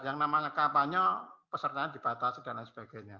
yang namanya kampanye pesertanya dibatasi dan lain sebagainya